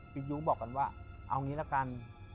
ยู้บอกกันว่าเอางี้ละกัน